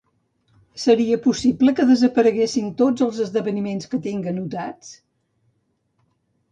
Seria possible que desapareguessin tots els esdeveniments que tinc anotats?